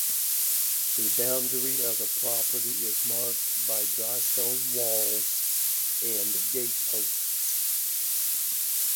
The boundary of the property is marked by drystone walls and gateposts.